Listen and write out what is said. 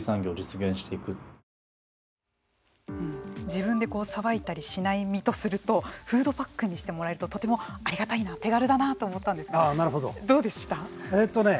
自分でさばいたりしない身とするとフードパックにしてもらえるととてもありがたいな手軽だなと思ったんですがどうでした？